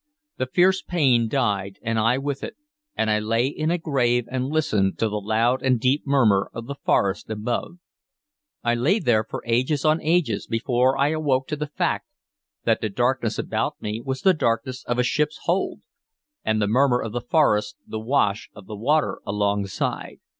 The fierce pain died, and I with it, and I lay in a grave and listened to the loud and deep murmur of the forest above. I lay there for ages on ages before I awoke to the fact that the darkness about me was the darkness of a ship's hold, and the murmur of the forest the wash of the water alongside.